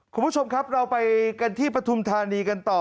คุณผู้ชมครับเราไปกันที่ปฐุมธานีกันต่อ